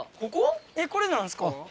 えっこれなんですか？